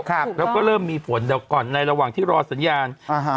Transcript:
ครับแล้วก็เริ่มมีฝนเดี๋ยวก่อนในระหว่างที่รอสัญญาณอ่าฮะ